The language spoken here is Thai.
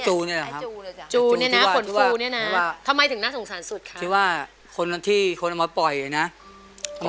ตัวไหนน่าสงสารสุดพี่สม